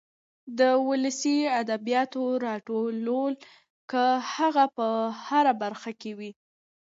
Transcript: د ولسي ادبياتو راټولو که هغه په هره برخه کې وي.